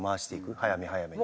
早め早めに。